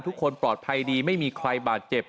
ทุกคนปลอดภัยดีไม่มีใครบาดเจ็บ